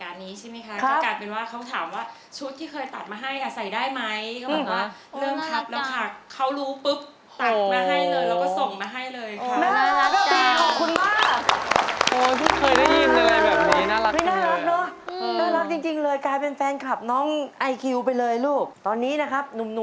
อ่าพี่ต่อชะดอเตรียมตัดชุดให้น้องได้เลยนะครับ